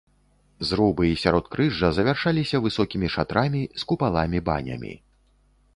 Зрубы і сяродкрыжжа завяршаліся высокімі шатрамі з купаламі-банямі.